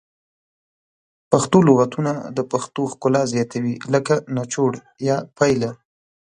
پښتو لغتونه د پښتو ښکلا زیاتوي لکه نچوړ یا پایله